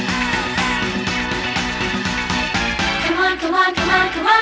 มาดูดูสิอาจจะเจอบางวันที่ยังรออยู่